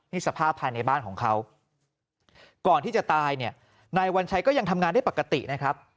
นี่สภาพภายในบ้านของเขาก่อนที่จะตายเนี่ยนายวัญชัยก็ยังทำงานได้ปกตินะครับ